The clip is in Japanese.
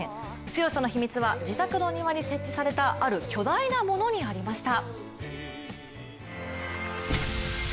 強さの秘密は、自宅の庭に設置されたある巨大なものにありました。